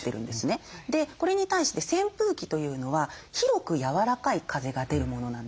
これに対して扇風機というのは広く柔らかい風が出るものなんですよ。